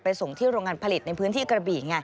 ส่งที่โรงงานผลิตในพื้นที่กระบี่